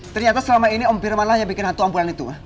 ternyata selama ini om firmalah yang bikin hantu ampunan itu